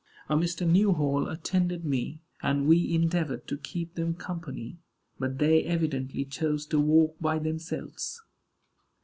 A Mr. Newhall attended me, and we endeavored to keep them company; but they evidently chose to walk by themselves.